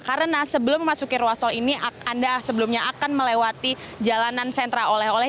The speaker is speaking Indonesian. karena sebelum memasuki ruas tol ini anda sebelumnya akan melewati jalanan sentra oleh oleh